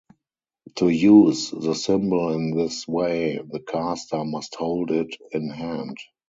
To use the symbol in this way, the caster must hold it in hand.